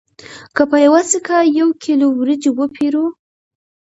که په یوه سکه یو کیلو وریجې وپېرو